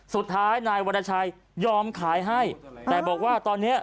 สุดท้ายนายวรชัยยอมขายให้แต่บอกว่าตอนเนี้ย